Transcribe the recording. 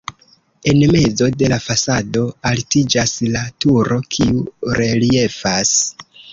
En mezo de la fasado altiĝas la turo, kiu reliefas.